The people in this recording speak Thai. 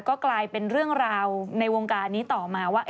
ก็กลายเป็นเรื่องราวในวงการนี้ต่อมาว่า